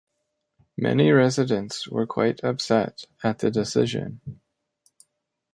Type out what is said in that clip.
Many residents were quite upset at the decision.